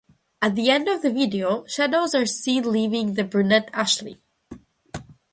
At the end of the video, shadows are seen leaving the brunette Ashlee.